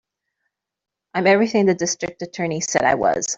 I'm everything the District Attorney said I was.